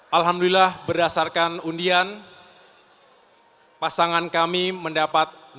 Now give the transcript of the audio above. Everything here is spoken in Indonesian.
alhamdulillah berdasarkan undian pasangan kami mendapatkan